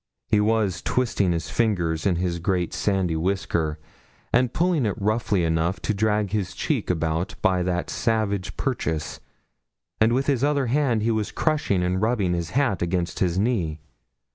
He was twisting his fingers in his great sandy whisker, and pulling it roughly enough to drag his cheek about by that savage purchase; and with his other hand he was crushing and rubbing his hat against his knee.